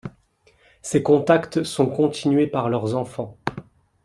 Ces contacts sont continués par leurs enfants.